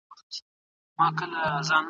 د ابن خلدون کتاب په غور سره ولولئ.